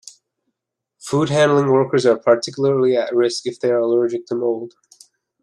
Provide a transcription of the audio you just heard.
Food-handling workers are particularly at risk if they are allergic to mold.